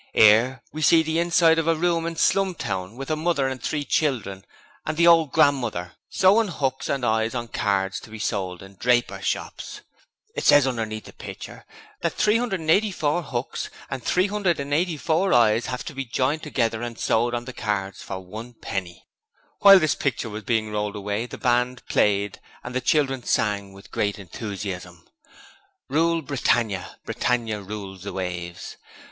'Ere we see the inside of a room in Slumtown, with a mother and three children and the old grandmother sewin' hooks and eyes on cards to be sold in drapers' shops. It ses underneath the pitcher that 384 hooks and 384 eyes has to be joined together and sewed on cards for one penny.' While this picture was being rolled away the band played and the children sang with great enthusiasm: 'Rule, Brittania, Brittania rules the waves!